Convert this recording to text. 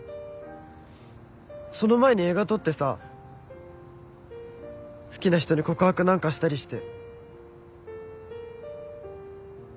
その前に映画撮ってさ好きな人に告白なんかしたりして。